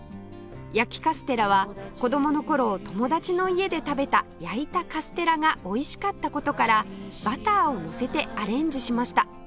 焼きカステラは子供の頃友達の家で食べた焼いたカステラがおいしかった事からバターをのせてアレンジしました